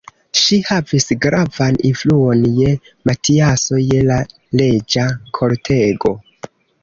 Ŝi havis gravan influon je Matiaso, je la reĝa kortego.